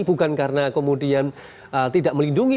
bukan karena kemudian tidak melindungi